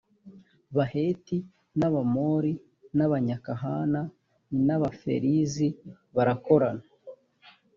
baheti n’ abamori n’ abanyakanaha ni n’ abaferizi barakorana